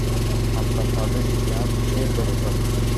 আলতাফ পারভেজ ইতিহাস বিষয়ে গবেষক